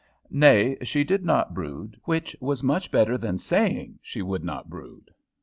Nay, she did not brood, which was much better than saying she would not brood.